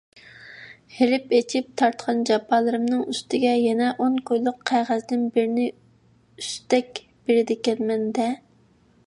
ھېرىپ - ئېچىپ تارتقان جاپالىرىمنىڭ ئۈستىگە يەنە ئون كويلۇق قەغەزدىن بىرنى ئۈستەك بېرىدىكەنمەن - دە؟!